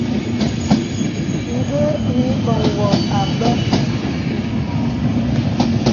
Ǹgə mə ìbɔŋ wɔ àbə.